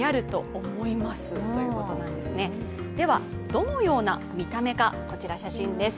どのような見た目か、こちら写真です。